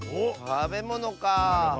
たべものか。